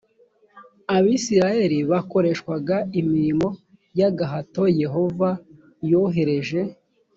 abisirayeli bakoreshwaga imirimo y agahato yehova yohereje